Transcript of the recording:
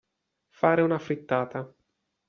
Fare una frittata.